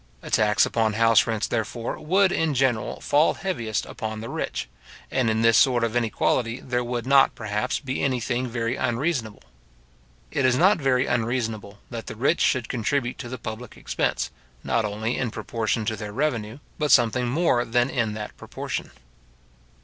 A tax upon house rents, therefore, would in general fall heaviest upon the rich; and in this sort of inequality there would not, perhaps, be any thing very unreasonable. It is not very unreasonable that the rich should contribute to the public expense, not only in proportion to their revenue, but something more than in that proportion.